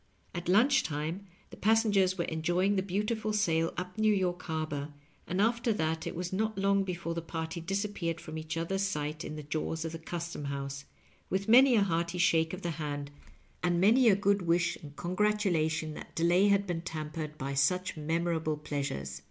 At lunch time the passengers were enjoying the beautiful sail up 'New York harbor, and after that it was not long before the party disappeared from each other's sight in the jaws of the Custom House, with many a hearty shake of the hand, and many a good Digitized by VjOOQIC LOVE AND LIGHTNINQ. 223 wish and congratalation that delay had been tempered bj such memorable pleasnres.